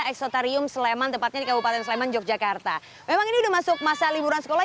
eksotarium sleman tempatnya kabupaten sleman yogyakarta memang ini masuk masa liburan sekolah